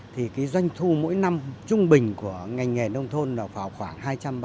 thì doanh thu mỗi năm trung bình của ngành nghề nông thôn là khoảng hai trăm ba mươi sáu